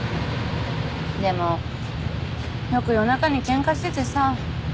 でもよく夜中にケンカしててさ。